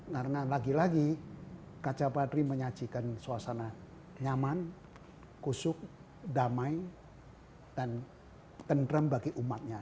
karena lagi lagi kaca padri menyajikan suasana nyaman kusuk damai dan kentram bagi umatnya